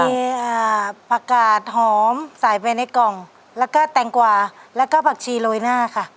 มีผักกาดหอมใส่ไปในกล่องแล้วก็แตงกว่าแล้วก็ผักชีโรยหน้าค่ะ